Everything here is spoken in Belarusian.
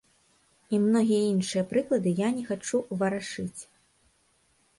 І многія іншыя прыклады я не хачу варашыць.